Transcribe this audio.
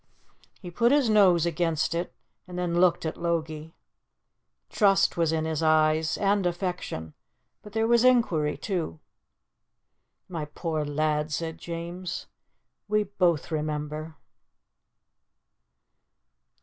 He put his nose against it, and then looked at Logie. Trust was in his eyes and affection; but there was inquiry, too. "My poor lad," said James, "we both remember."